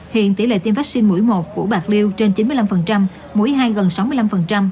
hiện tỷ lệ tiêm vaccine mũi một của bạc liêu trên chín mươi năm mũi hai gần sáu mươi năm